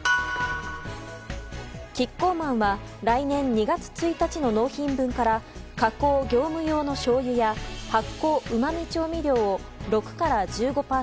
キッコーマンは来年２月１日の納品分から加工・業務用のしょうゆや発酵うまみ調味料を６から１５％